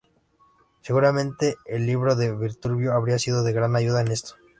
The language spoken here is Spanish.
Seguramente el libro de Vitruvio habría sido de gran ayuda en esto.